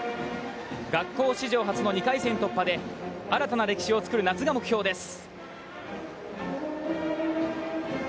学校史上初の２回戦突破で新たな歴史を作る夏が目標です。